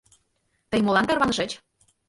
— Тый молан тарванышыч?